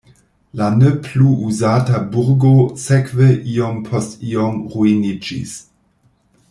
La ne plu uzata burgo sekve iom post iom ruiniĝis.